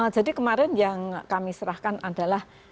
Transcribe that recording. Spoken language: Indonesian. jadi kemarin yang kami serahkan adalah